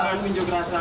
pak jk apa